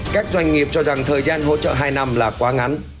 các doanh nghiệp cho rằng thời gian hỗ trợ hai năm là quá ngắn